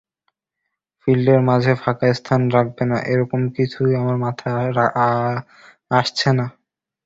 ফিল্ডের মাঝে ফাঁকা স্থান রাখবে না এরকম কিছু আমার মাথায় আসছে না।